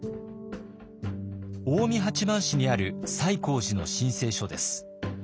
近江八幡市にある西光寺の申請書です。